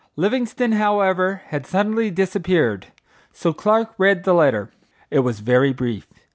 Livingstone, however, had suddenly disappeared; so Clark read the letter. It was very brief.